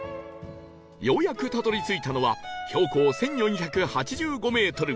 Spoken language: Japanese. ようやくたどり着いたのは標高１４８５メートル